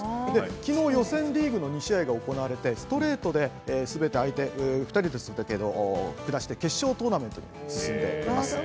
昨日、予選リーグの２試合が行われてストレートで２人を下して決勝トーナメントに進んでいます。